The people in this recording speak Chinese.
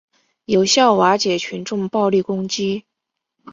有效瓦解群众暴力攻击